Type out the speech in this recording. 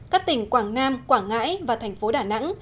các tỉnh quảng nam quảng ngãi và thành phố đà nẵng